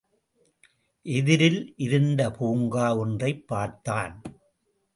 எதிரில் இருந்த பூங்கா ஒன்றைப் பார்த்தான்.